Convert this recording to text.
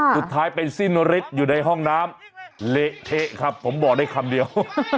สุดท้ายไปสิ้นฤทธิ์อยู่ในห้องน้ำเละเทะครับผมบอกได้คำเดียว